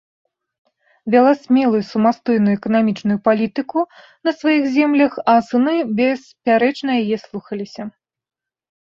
Вяла смелую, самастойную эканамічную палітыку на сваіх землях, а сыны беспярэчна яе слухаліся.